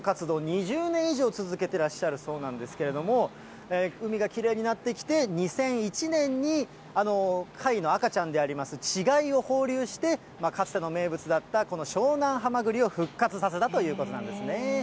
２０年以上続けてらっしゃるそうなんですけれども、海がきれいになってきて、２００１年に、貝の赤ちゃんであります、稚貝を放流して、かつての名物だったこの湘南はまぐりを復活させたということなんですね。